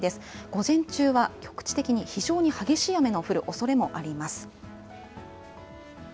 午前中は局地的に非常に激しい雨の降るおそれもあります。